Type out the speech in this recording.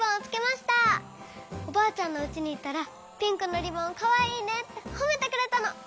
おばあちゃんのうちにいったらピンクのリボンかわいいねってほめてくれたの。